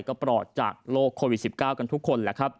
ก็ปลอดจากโรคโควิด๑๙กันทุกคน